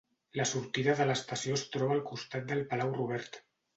La sortida de l'estació es troba al costat del Palau Robert.